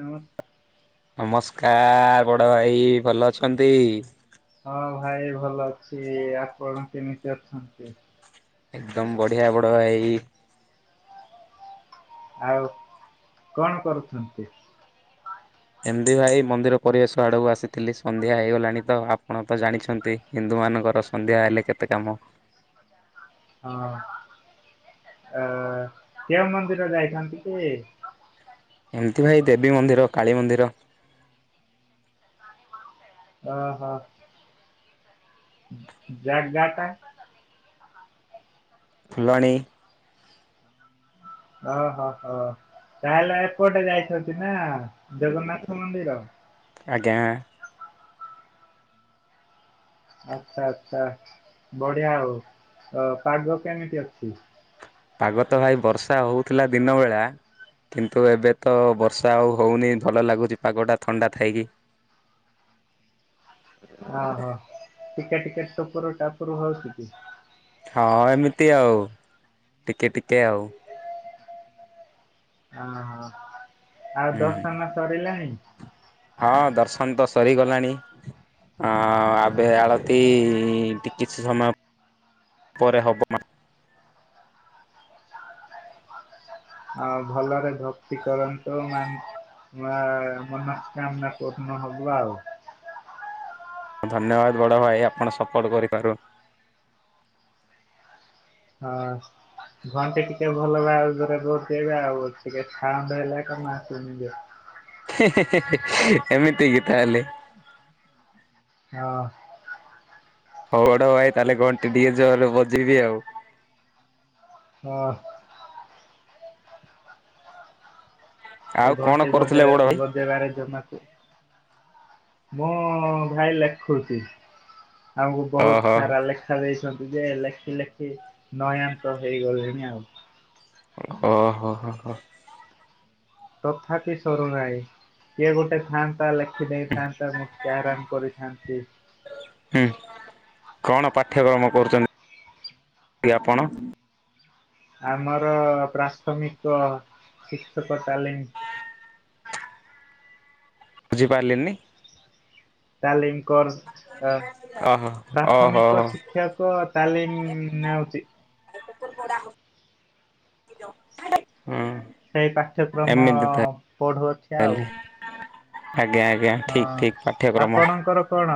ହ ନମସ୍କାର ବଡ଼ ଭାଇ ଭଲ ଅଛନ୍ତି। ହଁ ଭାଇ ଭଲ ଅଛି ଆପଣ କେମିତି ଅଛନ୍ତି। ଏକଦମ ବଢିଆ ବଡ ଭାଇ ଆଉ କଣ କରୁଛନ୍ତି। ଏମିତି ଭାଇ ମନ୍ଦିର ପରିବେଶ ଆଡ଼କୁ ଆସିଥିଲି ସନ୍ଧ୍ୟା ହେଇଗଲାଣି ତ ଆପଣ ତ ଜାଣିଛନ୍ତି ହିନ୍ଦୁ ମାନଙ୍କର ସନ୍ଧ୍ୟା ହେଲେ କେତେ କାମ ହଁ ଅ କେଉ ମନ୍ଦିର ଯାଇଥାନ୍ତି କି ଏମିତି ଭାଇ ଦେବୀ ମନ୍ଦିର କାଳୀମନ୍ଦିର ଓ ହୋ ଜାଗ ଜାା ଫୁଲବାଣୀ ଓହୋ ହୋ ତାହେଲେ ଏପଟେ ଯାଇଛନ୍ତି ନା ଜଗନ୍ନାଥ ମନ୍ଦିର ଆଜ୍ଞା ଆଚ୍ଛା ଆଚଛା ବଢିଆ ଆଉ ପାଗ କେମିତି ଅଛି ପାଗ ତ ଭାଇ ବର୍ଷା ହଉଥିଲା ଦିନ ବେଳା କିନ୍ତୁ ଏବେ ତ ବର୍ଷା ଆଉ ହେଉନି ଭଲ ଲାଗୁଛି ପାଗଟା ଥଣ୍ଡା ଥାଇକି। ଓହୋ ଟିକେ ଟିକେଟ ଟପର ଟାପର ହଉଛି କି ହଁ ଏମିତି ଆଉ ଟିକେ ଟିକେ ଆଉ ଓହୋ ଆଉ ହୁଁ। ଦଶ ମା ସରିଲାଣି ହଁ ଦର୍ଶନ ତ ସରିଗଲାଣି ହ ଆବେ ଆଳତି ଟିକେ କିଛି ସମୟ ପରେ ହବ ମ। ଭଲରେ ଭକ୍ତି କରନ୍ତୁ ମ ଆ ମନ କାମନା କରଣ ହବ ଆଉ ଧନ୍ୟବାଦ ବଡ଼ ଭାଇ ଆପଣ ସପୋର୍ଟ କରିପାରୁ। ହଁ ଘଣ୍ଟି ଟିକେ ଭଲ ବା ଆଉରେ ବବେ ଆଉ ଟିକେ ସାଉଣ୍ଡ ହେଲେ କଣ ଆସୁନି ଏମିତି ଗି ତାହେଲେ ହଉ ହଉଟ ଭାଇ ତାହେଲେ ଘଣ୍ଟେ ଟିକେ ଜ ବଜେଇବି ଆଉ ହଁ ଆଉ ଘଣ କଣ ତି ବ କରୁଥିଲେ ବଡ ଭାଇ? ବ ବାର ଜମାଛୁ ମଁ ଭାଇ ଲେଖୁତି ଆମକୁ ବହୁତ ଓହୋ ସାରା ଲେଖା ଦେଇଛନ୍ତି ଯେ ଲେଖି ଲେଖି ନୟାନ୍ତ ହେଇଗଲେଣି ଆଉ ଓ ହୋ ହୋ ହୋ ତଥାପି ସରୁନାହି କିଏ ଗୋଟେ ଥାଆନ୍ତା ହେଲେ ଖ ଦେଇଥାନ୍ତା ମତି ଆରାମ କରିଥାନ୍ତି। ହୁଁ କଣ ପାଠ୍ୟକ୍ରମ କରୁଛନ୍ତି ଆପଣ ଆମର ପ୍ରାଥମିକ ଶିକ୍ଷକ ତାଲିମ ବୁଝିପାରିଲେନି ତାଲିମ କର ଓହୋ ଓହୋ ପ୍ରାଥମିକ ହୋ ଶିକ୍ଷ ଶିକ୍ଷକ ତାଲିମ ନେଉଛି [unintelligible] ସେଇ ପାଠ୍ୟକ୍ରମ ଏମିତି ଥାଏ ପଢ଼ୁଅଛି ଆଉ ଆଜ୍ଞା ଆଜ୍ଞା ଠିକ ଠିକ ପାଠ୍ୟକ୍ରମ ଙ୍କର କଣ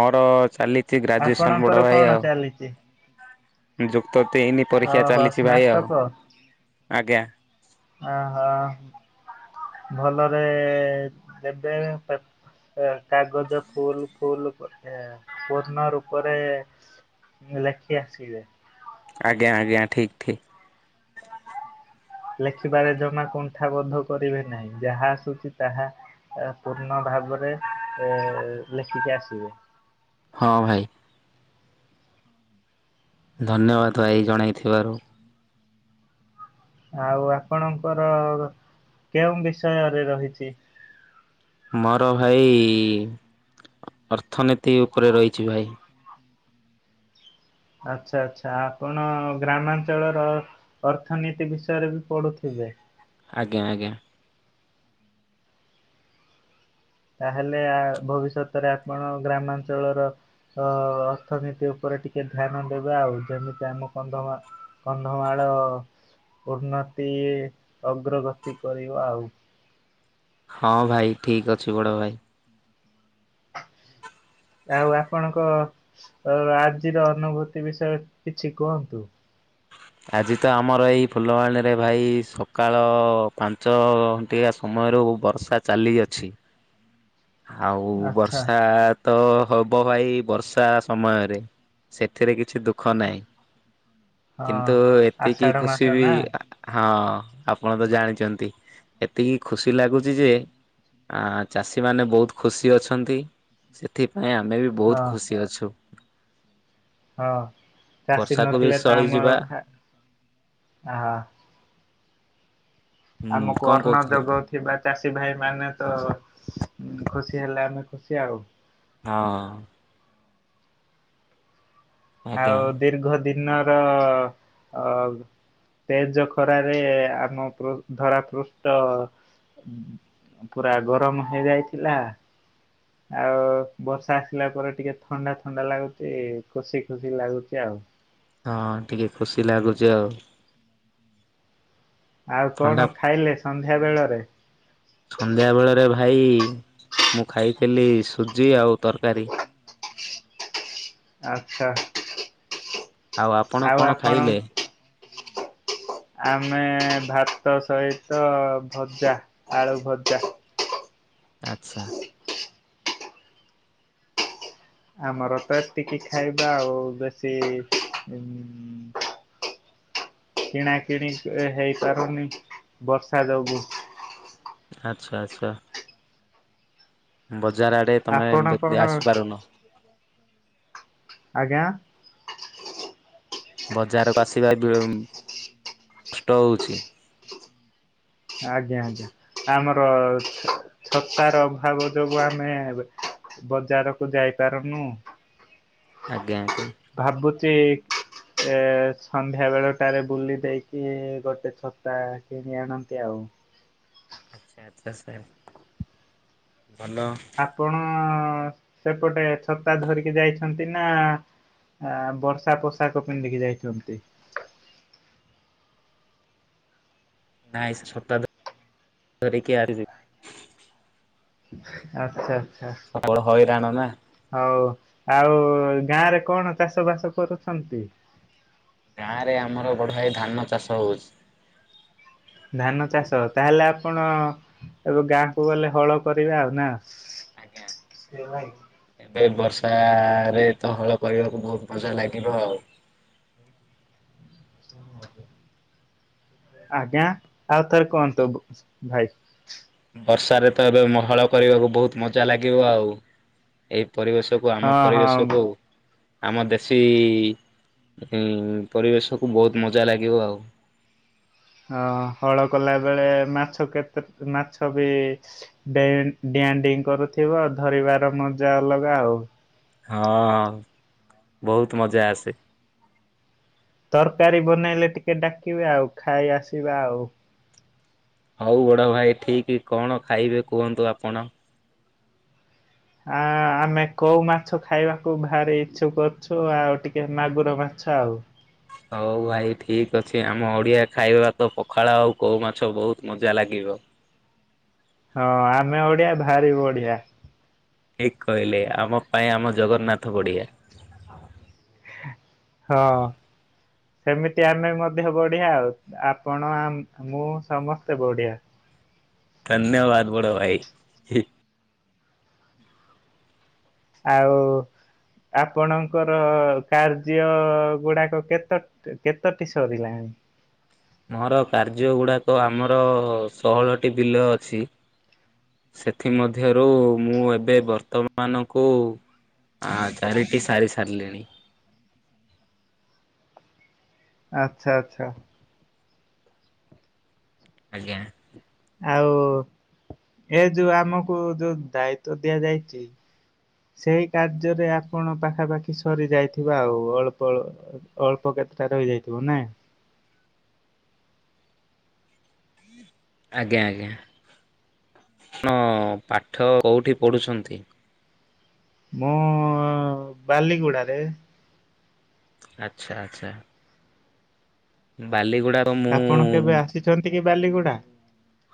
ମୋର ଚାଲିଛି ଗ୍ରାଜୁଏସନ୍ ଆପଣଙ୍କର ବଡ଼ କଣ ଭାଇ ଆଉ ଚାଲିଛି? ଯୁକ୍ତ ହେଇନି ପରୀକ୍ଷା ଓହୋ ଚାଲିଛି ଭାଇ ଆଉ ସ୍ନାତକ ଆଜ୍ଞା ଓହୋ ଭଲରେ ଦେବେ କାଗଜ ଫୁଲ ଫୁଲ ପୂର୍ଣ ରୂପରେ ଁ ଲେଖି ଆସିଲେ ଆଜ୍ଞା ଆଜ୍ଞା ଠିକ ଠିକ୍ ଲେଖିବାରେ ଜମା କୁଣ୍ଠାବୋଧ କରିବେ ନାହିଁ ଯାହା ଆସୁଛି ତାହା ପୂର୍ଣ୍ଣ ଭାବରେ ଏ ଲେଖିକି ଆସିବେ ହଁ ଭାଇ ଧନ୍ୟବାଦ ଭାଇ ଜଣାଇଥିବାରୁ ଆଉ ଆପଣଙ୍କର କେଉଁ ବିଷୟରେ ରହିଛି ମୋର ଭାଇ ଅର୍ଥନୀତି ଉପରେ ରହିଛି ଭାଇ ଆଚ୍ଛା ଆଚ୍ଛା ଆପଣ ଗ୍ରାମାଞ୍ଚଳର ଅର୍ଥନୀତି ବିଷୟରେ ବି ପଢୁଥିବେ ଆଜ୍ଞା ଆଜ୍ଞା ତାହେଲେ ଆ ଭବିଷ୍ୟତରେ ଆପଣ ଗ୍ରାମାଞ୍ଚଳର ଅ ଅର୍ଥନୀତି ଉପରେ ଟିକେ ଧ୍ୟାନ ଦେବେ ଆଉ ଯେମିତି ଆମ କନ୍ଧମା କନ୍ଧମାଳ ଉନ୍ନତି ଅଗ୍ରଗତି କରିବ ଆଉ ହଁ ଭାଇ ଠିକ ଅଛି ବଡ ଭାଇ ଆଉ ଆପଣଙ୍କ ଆଜିର ଅନୁଭୂତି ବିଷୟରେ କିଛି କୁହନ୍ତୁ ଆଜି ତ ଆମର ଏଇ ଫୁଲବାଣୀରେ ଭାଇ ସକାଳ ପାଞ୍ଚ ଗୋଟିଆ ସମୟରୁ ବର୍ଷା ଚାଲିଅଛି ଆଉ ଆଚ୍ଛା ବର୍ଷା ତ ହବ ଭାଇ ବର୍ଷା ସମୟରେ ସେଥିରେ କିଛି ଦୁଃଖ ନାହିଁ ହଁ କିନ୍ତୁ ଏତିକି ଆଷାଢ ମାସ ଖୁସି ବି ନା ହଁ ଆପଣ ତ ଜାଣିଛନ୍ତି ଏତିକି ଖୁସି ଲାଗୁଛି ଯେ। ଆ ଚାଷୀ ସେମାନେ ବହୁତ ଖୁସି ଅଛନ୍ତି ସେଥିପାଇଁ ଆମେ ବି ବହୁତ ହଁ ଖୁସି ଅଛୁ। ହଁ ଚାଷୀ ବର୍ଷାକୁ ବି ନଥିଲେ ତ ଆମର ସହିଯିବା ଖା ହ ହୁଁ ଆମକୁ କଣ ଅର୍ଣ କହୁଥିଲେ ଦେବ। ଥିବା ଚାଷୀ ଭାଇ ମାନେ ତ ଖୁସି ହେଲେ ଆମେ ଖୁସି ଆଉ। ହଁ। ଆଜ୍ଞା। ଆଉ ଦୀର୍ଘ ଦିନର ଅ ତେଜ ଖରାରେ ଆମ ଧରାପୃଷ୍ଟ। ପୁରା ଗରମ ହେଇଯାଇଥିଲା। ଆଉ ବର୍ଷା ଆସିଲା ପରେ ଟିକେ ଥଣ୍ଡା ଥଣ୍ଡା ଲାଗୁଛି କୋଷି ଖୁସି ଲାଗୁଛି ଆଉ। ହଁ ଟିକେ ଖୁସି ଲାଗୁଛି ଆଉ। ଆଉ ଥଣ୍ଡା କଣ ଖାଇଲେ ସନ୍ଧ୍ୟାବେଳରେ? ସନ୍ଧ୍ୟାବେଳରେ ଭାଇ ମୁଁ ଖାଇଥିଲି ସୁଜି ଆଉ ତରକାରୀ। ଆଛା ଆଉ ଆପଣ ଆଉ କଣ ଆପଣ ଖାଇଲେ? ଆମେ ଭାତ ସହିତ ଭଜା ଆଳୁ ଭଜା। ଆଚ୍ଛା। ଆମର ତ ଏତିକି ଖାଇବା ଆଉ ବେଶୀ। କିଣା କିିଣି ହେଇପାରୁନି ବର୍ଷା ଯୋଗୁ। ଆଚ୍ଛା ଆଚ୍ଛା। ବଜାର ଆଡେ ତମେ ଆପଣ ଯଦି କଣ ଆସିପାରୁନ। ଆଜ୍ଞା। ବଜାରକୁ ଆସିବା କଷ୍ଟ ହଉଛି। ଆଜ୍ଞା ଆଜ୍ଞା ଆମର ଛତାର ଅଭାବ ଯୋଗୁ ଆମେ ବଜାରକୁ ଯାଇପାରୁନୁ। ଆଜ୍ଞା ଆଜ୍ଞା। ଭାବୁଛି। ଏ ସନ୍ଧ୍ୟା ବେଳ ଟାରେ ବୁଲି ଦେଇକି ଗୋଟେ ଛତା କିଣି ଆଣନ୍ତି ଆଉ। [unintelligible] ଭଲ। ଆପଣ ସେପଟେ ଛତା ଧରିକି ଯାଇଛନ୍ତି ନା ଆ ବର୍ଷା ପୋଷାକ ପିନ୍ଧିକି ଯାଇଛନ୍ତି? ନାଇଁ ସେ ଛତା ଧ ଧରିକି ଆ ଆଚ୍ଛା ଆଚ୍ଛା। ପର୍ବଳ ହଇରାଣ ନା! ହଉ। ଆଉ ଗାଁ ରେ କଣ ଚାଷ ବାସ କରୁଛନ୍ତି? ଗାଁରେ ଆମର ବଢ଼ାଇ ଧାନ ଚାଷ ହେଉଛି। ଧାନ ଚାଷ ତାହେଲେ ଆପଣ ଏବେ ଗାଁକୁ ଗଲେ ହଳ କରିବା ଆଉ ନା? ଏ ବର୍ଷାରେ ତ ହଳ କରିବାକୁ ବହୁତ ମଜା ଲାଗିବ ଆଉ। ଆଜ୍ଞା ଆଉ ଥରେ କୁହନ୍ତୁ ଭାଇ। ବର୍ଷାରେ ତ ଏବେ ମ ହଳ କରିବାକୁ ବହୁତ ମଜା ଲାଗିବ ଆଉ। ଏଇ ପରିବେଶ ହଁ ଆମ ହଁ। ପରିବେଶକୁ ଆମ ଦେଶୀ ଉମ୍ ପରିବେଶକୁ ବହୁତ ମଜା ଲାଗିବ ଆଉ। ହ ହଳ କଲା ବେଳେ ମାଛ କେତେ ମାଛ ବି ଡେଁ ଡିଆଁ ଡିଁ କରୁଥିବ, ଧରିବାର ମଜା ଅଲଗା ଆଉ। ହଁ ବହୁତ ମଜା ଆସେ। ତରକାରୀ ବନେଇଲେ ଟିକେ ଡାକିବେ ଆଉ ଖାଇ ଆସିବା ଆଉ। ହଉ ବଡ ଭାଇ ଠିକ କଣ ଖାଇବେ କୁହନ୍ତୁ ଆପଣ। ଆ ଆମେ କଉ ମାଛ ଖାଇବାକୁ ଭାରି ଇଚ୍ଛୁକ ଅଛୁ ଆଉ ଟିକେ ମାଗୁର ମାଛ ଆଉ। ହଉ ଭାଇ ଠିକ ଅଛି ଆମ ଓଡିଆ ଖାଇବା ତ ପଖାଳ ଆଉ କଉ ମାଛ ବହୁତ ମଜା ଲାଗିବ। ହଁ ଆମେ ଓଡିଆ ଭାରି ବଢିଆ। ଠିକ କହିଲେ ଆମ ପାଇଁ ଆମ ଜଗନ୍ନାଥ ବଡ଼ିଆ। ହଁ। ସେମିତି ଆମେ ମଧ୍ୟ ବଢ଼ିଆ ଆଉ। ଆପଣ ଆମ୍ ମୁଁ ସମସ୍ତେ ବଢ଼ିଆ। ଧନ୍ୟବାଦ ବଡ଼ ଭାଇ। ଆଉ ଆପଣଙ୍କର କାର୍ଯ୍ୟ ଗୁଡାକ କେତେ କେତୋଟି ସରିଲାଣି। ମୋର କାର୍ଯ୍ୟ ଗୁଡ଼ାକ ଆମର ଷୋହଳଟି ବିଲ ଅଛି। ସେଥିମଧ୍ୟରୁ ମୁଁ ଏବେ ବର୍ତ୍ତମାନଙ୍କୁ ହଁ ଚାରିଟି ସାରି ସାରିଲିଣି। ଆଚ୍ଛା ଆଚ୍ଛା। ଆଜ୍ଞା। ଆଉ ଏ ଯୋଉ ଆମକୁ ଯୋଉ ଦାୟିତ୍ଵ ଦିଆଯାଇଛି। ସେହି କାର୍ଯ୍ୟରେ ଆପଣ ପାଖାପାଖି ସରିଯାଇଥିବା ଆଉ ଅଳ୍ପ ଅଳ ଅଳ୍ପ କେତେଟାରେ ହେଇଯାଇଥିବ ନା? ଆଜ୍ଞା ଆଜ୍ଞା। ଆପଣ ପାଠ କୋଉଠି ପଢ଼ୁଛନ୍ତି? ମୁଁ ବାଲିଗୁଡାରେ। ଆଚ୍ଛା ଆଚ୍ଛା। ବାଲିଗୁଡା ଆପଣ କେବେ ଆସିଛନ୍ତି କି ବାଲିଗୁଡା?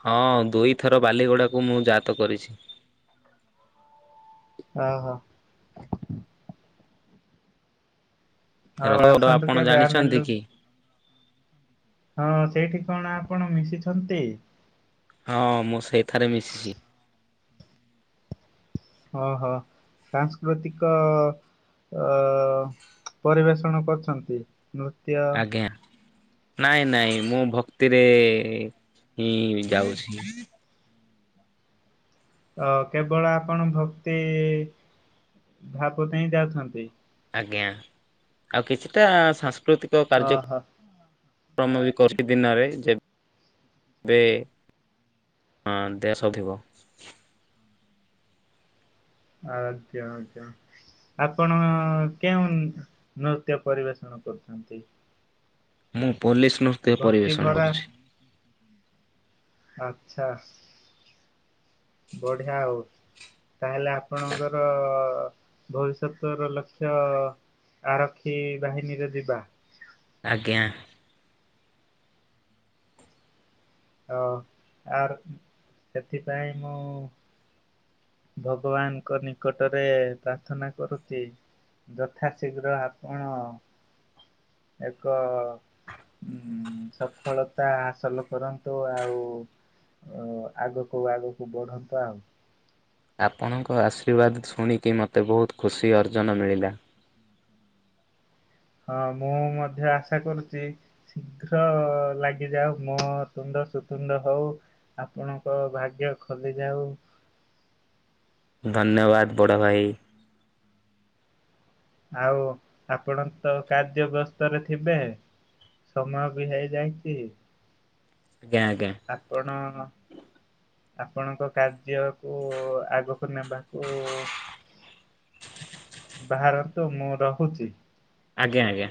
ହଁ ଦୁଇଥର ବାଲିଗୁଡ଼ାକୁ ମୁଁ ଜାତ କରିଛି। ଓହୋ। ହଉ [inaudible] ଆସନ୍ତୁ ଆପଣ କେବେ ଆମେ ଜାଣିଛନ୍ତି ଲୁ କି। ହଁ ସେଇଠି କଣ ଆପଣ ମିଶିଛନ୍ତି? ହଁ ମୁଁ ସେଇଠାରେ ମିଶିଛି। ଓହୋ ସାଂସ୍କୃତିକ ଅ ପରିବେଷଣ କରଛନ୍ତି। ନୃସ୍ ଆଜ୍ଞା। ନାଇଁ ନାଇଁ ମୁଁ ଭକ୍ତିରେ ହିଁ ଯାଉଛି। ଅ କେବଳ ଆପଣ ଭକ୍ତି ଭାବ ପାଇଁ ହଁ ଯାଉଛନ୍ତି। ଆଜ୍ଞା ଆଉ କିଛିଟା ସାଂସ୍କୃତିକ କାର୍ଯ୍ୟ। ଓହୋ ଶ୍ରମ ବି କରଛି ଦିନରେ ଯେ ଏବେ ହଁ ଦେହ ସ ଥିବ। ଆଜ୍ଞା ଆଜ୍ଞା। ଆପଣ କେଉଁ ନୃତ୍ୟ ପରିବେଷଣ କରୁଛନ୍ତି। ମୁଁ ପୋଲିସ ନୃତ୍ୟ ଭକ୍ତି ପରିବେଷଣ ଭରା କରୁଛି ଆଚଛା ବଢିଆ ଆଉ। ତାହେଲେ ଆପଣଙ୍କର ଭବିଷ୍ୟତ ର ଲକ୍ଷ୍ୟ ଆରକ୍ଷୀ ବାହିନୀରେ ଯିବା। ଆଜ୍ଞା। ଓ ଆର୍ ସେଥିପାଇଁ ମୁଁ ଭଗବାନଙ୍କ ନିକଟରେ ପ୍ରାର୍ଥନା କରୁଛି। ଯଥା ଶୀଘ୍ର ଆପଣ ଏକ ଉ ସଫଳତା ହାସଲ କରନ୍ତି। ତ ଆଉ ଆଗକୁ ଆଗକୁ ବଢନ୍ତୁ ଆଉ। ଆପଣଙ୍କ ଆଶୀର୍ବାଦ ଶୁଣିକି ମୋତେ ବହୁତ ଖୁସି ଅର୍ଜନ ମିଳିଲା! ହଁ ମୁଁ ମଧ୍ୟ ଆଶା କରୁଛି ଶୀଘ୍ର ଲାଗିଯାଉ ମୋତୁଣ୍ତ ସୁତୁଣ୍ଡ ହଉ! ଆପଣଙ୍କ ଭାଗ୍ୟ ଖୋଲି ଯାଉ! ଧନ୍ୟବାଦ ବଡ଼ ଭାଇ! ଆଉ ଆପଣ ତ କାର୍ଯ୍ୟ ବ୍ୟସ୍ତରେ ଥିବେ! ସମୟ ବି ହେଇଯାଇଛି ଆଞ୍ଜା ଆଜ୍ଞା! ଆପଣ ଆପଣଙ୍କ କାର୍ଯ୍ୟକୁ ଆଗକୁ ନେବାକୁ ବାହାରନ୍ତୁ ମୁଁ ରହୁଛି! ଆଞ୍ଜା ଆଜ୍ଞା!